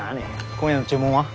今夜の注文は？